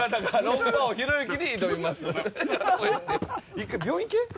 １回病院行け。